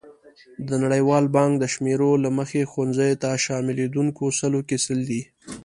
د نړیوال بانک د شمېرو له مخې ښوونځیو ته شاملېدونکي سلو کې سل دي.